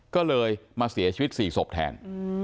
ก็เลยมาเสียชีวิต๔ศพแทน